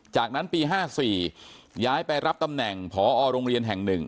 จากนั้นปี๕๔ย้ายไปรับตำแหน่งพอโรงเรียนแห่ง๑